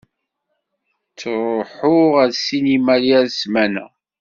Ttṛuḥuɣ ar ssinima yal ssmana.